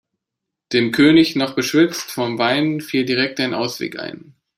Dem König, noch beschwipst vom Wein, fiel direkt ein Ausweg ein.